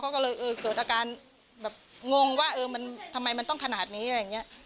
ก็เลยเออเกิดอาการแบบงงว่าเออมันทำไมมันต้องขนาดนี้อะไรอย่างนี้